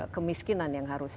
kemiskinan yang harus